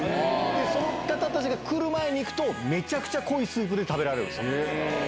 その方たちが来る前に行くとめちゃくちゃ濃いスープで食べられるんすよ。